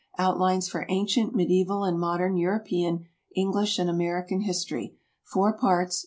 "Outlines for Ancient, Medieval and Modern European, English and American History," four parts.